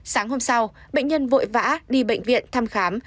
sáng hôm sau bệnh nhân vội vã đi bệnh viện thăm khám